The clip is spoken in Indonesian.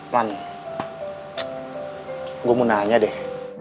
lan gue mau nanya deh